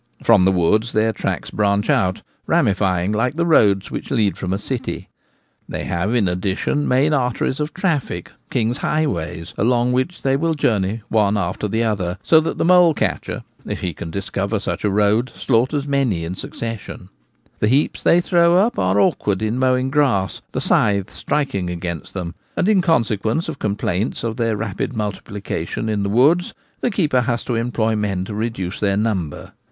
From the woods their tracks branch out, ramifying like the roads which lead from a city. They have in addition main arteries of traffic, king's highways, along which they will journey one after the other ; so that the mole catcher, if he can discover such a road, slaughters many in succession. Climbing Mice. 109 The heaps they throw up are awkward in mowing grass, the scythe striking against them ; and in con sequence of complaints of their rapid multiplication in the woods the keeper has to employ men to reduce their numbers.